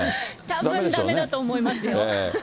たぶんだめだと思いますよ。